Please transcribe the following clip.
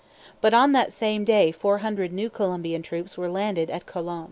But on that same day four hundred new Colombian troops were landed at Colon.